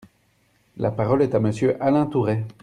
La parole est à Monsieur Alain Tourret.